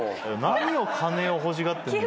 何を金欲しがってるの？